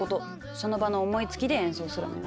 その場の思いつきで演奏するのよ。